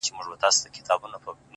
بلا وهلی يم ـ چي تا کوم بلا کومه ـ